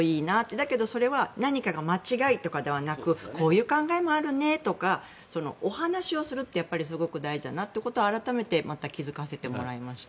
だけどそれは何かが間違いではなくこういう考えもあるねとかお話をするってすごく大事だなと改めてまた、気づかせてもらいました。